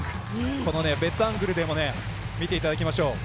この別アングルでも見ていただきましょう。